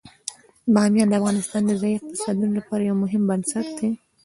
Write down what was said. بامیان د افغانستان د ځایي اقتصادونو لپاره یو مهم بنسټ دی.